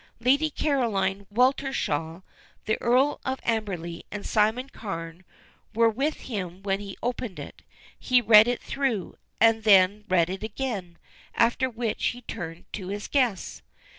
Lady Caroline Weltershall, the Earl of Amberley, and Simon Carne were with him when he opened it. He read it through, and then read it again, after which he turned to his guests.